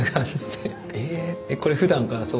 これふだんからそうなの？」